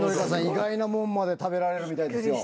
意外な物まで食べられるみたいですよ。